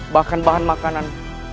bahkan bahan makanan